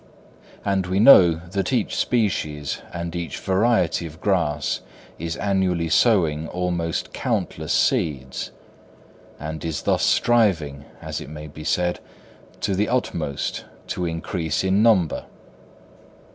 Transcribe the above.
And we know that each species and each variety of grass is annually sowing almost countless seeds; and is thus striving, as it may be said, to the utmost to increase in number.